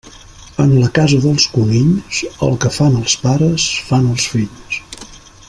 En la casa dels conills, el que fan els pares fan els fills.